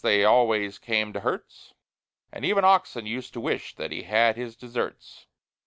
They always came to Herts; And even Oxon used to wish That he had his deserts.